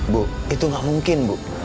bu itu nggak mungkin bu